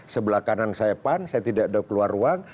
sebelah kanan saya pan saya tidak ada keluar uang